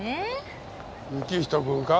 行人君か？